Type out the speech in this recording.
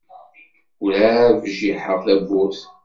Ur-ɛad bjiḥeɣ tawwurt.